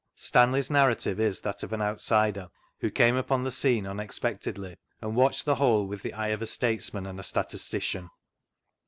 Stanley's narra tive is that of an out^der, who came upon the scene unexpectedly, and watched the whole with the eye of a statesman and a statistician.